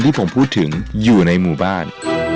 ที่ผมพูดถึงอยู่ในหมู่บ้าน